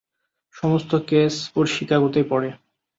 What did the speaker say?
সমস্ত কেস ওর শিকাগোতেই পড়ে।